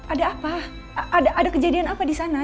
ada apa ada kejadian apa di sana